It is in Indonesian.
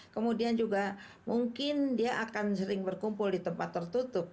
kemudian juga mungkin dia akan sering berkumpul di tempat tertutup